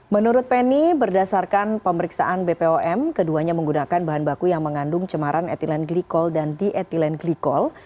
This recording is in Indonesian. menurut penny berdasarkan pemeriksaan bpom keduanya menggunakan bahan baku yang mengandung cemaran etilen glikol dan dietilen glikol